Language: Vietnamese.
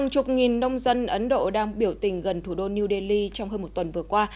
chục nghìn nông dân ấn độ đang biểu tình gần thủ đô new delhi trong hơn một tuần vừa qua